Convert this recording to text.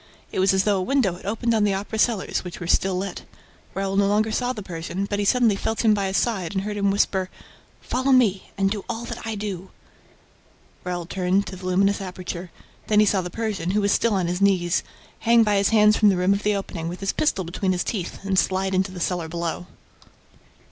It was as though a window had opened on the Opera cellars, which were still lit. Raoul no longer saw the Persian, but he suddenly felt him by his side and heard him whisper: "Follow me and do all that I do." Raoul turned to the luminous aperture. Then he saw the Persian, who was still on his knees, hang by his hands from the rim of the opening, with his pistol between his teeth, and slide into the cellar below.